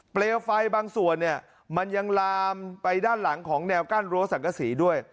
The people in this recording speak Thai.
เปลวไฟบางส่วนเนี่ยมันยังลามไปด้านหลังของแนวกั้นรั้วสังกษีด้วย